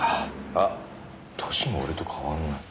あっ年も俺と変わんない。